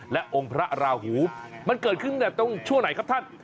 และองค์พระราหูมันเกิดขึ้นตรงชั่วไหนครับท่าน